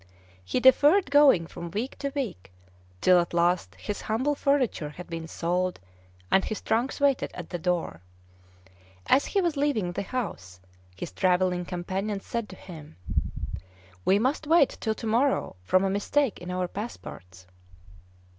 He deferred going from week to week, till at last his humble furniture had been sold, and his trunks waited at the door. As he was leaving the house, his travelling companion said to him, "We must wait till to morrow, from a mistake in our passports."